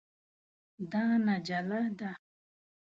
دا نجله ده.